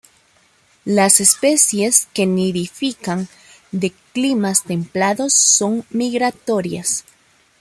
Las especies que nidifican de climas templados son migratorias.